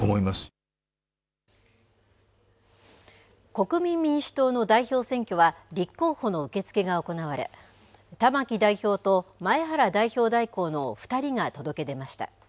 国民民主党の代表選挙は立候補の受け付けが行われ玉木代表と前原代表代行の２人が届け出ました。